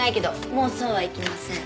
もうそうはいきません。